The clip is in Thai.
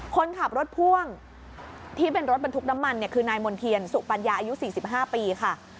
คนขับรถพ่วงที่เป็นรถบรรทุกน้ำมันเนี่ยคือนายมณ์เทียนสุปัญญาอายุ๔๕ปีค่ะ